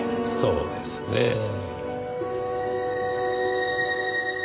そうですねぇ。